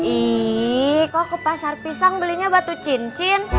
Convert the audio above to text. ih kok ke pasar pisang belinya batu cincin